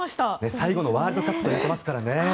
最後のワールドカップと言ってますからね。